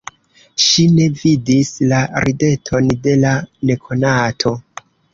Ŝi ne vidis la rideton de la nekonato.